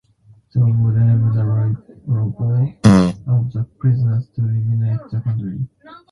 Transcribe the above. This would enable the labour of the prisoners to remunerate the country.